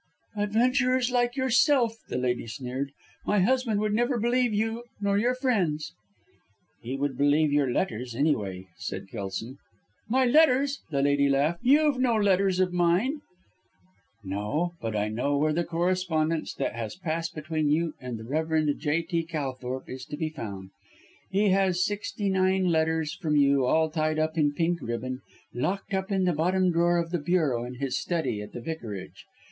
"Adventurers like yourself," the lady sneered. "My husband would neither believe you nor your friends." "He would believe your letters, any way," said Kelson. "My letters!" the lady laughed, "You've no letters of mine." "No, but I know where the correspondence that has passed between you and the Rev. J.T. Calthorpe is to be found. He has sixty nine letters from you all tied up in pink ribbon, locked up in the bottom drawer of the bureau in his study at the Vicarage.